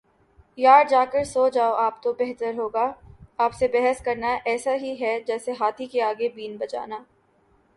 یار جا کر سو جاﺅ آپ تو بہتر ہو گا، آپ سے بحث کرنا ایسے ہی ہے جسیے ہاتھی کے آگے بین بجانا